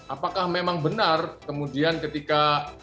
apakah memang benar kemudian ketika